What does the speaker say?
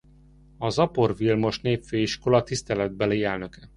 Az Apor Vilmos Népfőiskola tiszteletbeli elnöke.